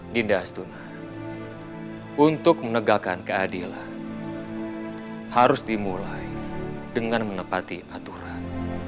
dinas tuna untuk menegakkan keadilan harus dimulai dengan menepati aturan